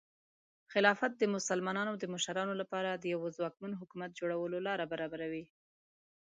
خلافت د مسلمانانو د مشرانو لپاره د یوه ځواکمن حکومت جوړولو لاره برابروي.